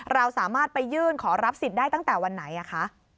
เราสามารถไปยื่นขอรับสิทธิ์ได้ตั้งแต่วันไหนคะ